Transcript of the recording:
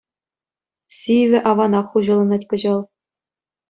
Сивӗ аванах хуҫаланать кӑҫал.